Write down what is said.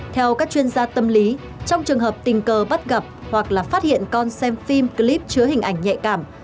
theo các chuyên gia tâm lý trong trường hợp tình cờ bắt gặp hoặc là phát hiện con xem phim clip chứa hình ảnh nhạy cảm